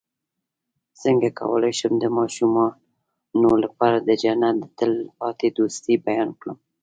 څنګه کولی شم د ماشومانو لپاره د جنت د تل پاتې دوستۍ بیان کړم